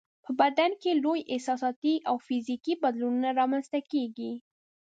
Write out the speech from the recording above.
په بدن کې یې لوی احساساتي او فزیکي بدلونونه رامنځته کیږي.